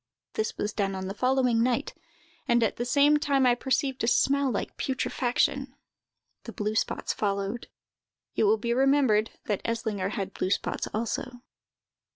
This was done on the following night, and, at the same time, I perceived a smell like putrefaction. The blue spots followed." (It will be remembered that Eslinger had blue spots also.)